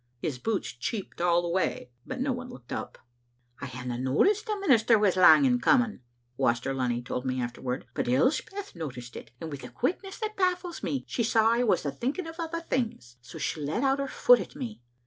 His boots cheeped all the way, but no one looked up. " I hadna noticed the minister was lang in coming," Waster Lunny told me afterward, "but Elspeth no ticed it, and with a quickness that baffles me she saw I was thinking o' other things. So she let out her foot at me.